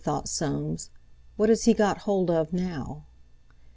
thought Soames. "What has he got hold of now?"